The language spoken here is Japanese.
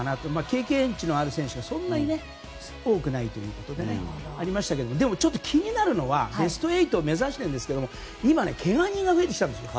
経験値のある選手がそんなに多くないということでありましたがでも、気になるのはベスト８を目指していますけど今、けが人が増えてきたんです。